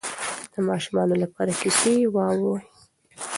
د ماشومانو لپاره کیسې ووایئ.